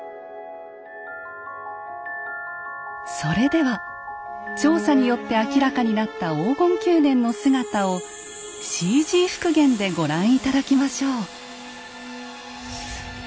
それでは調査によって明らかになった黄金宮殿の姿をＣＧ復元でご覧頂きましょう。